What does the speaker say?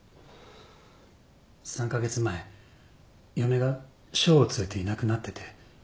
３カ月前嫁が翔を連れていなくなってて。